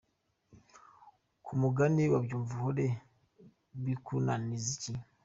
ku mugani wa Byumvuhore bikunaniza iki?